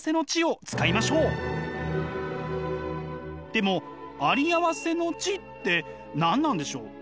でもあり合わせの知って何なんでしょう？